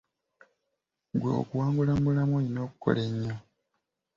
Ggwe okuwangula mu bulamu, olina okukola ennyo.